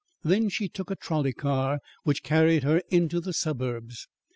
Then she took a trolley car which carried her into the suburbs.